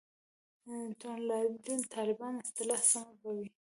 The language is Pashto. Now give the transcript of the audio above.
«توندلاري طالبان» اصطلاح سمه به وي.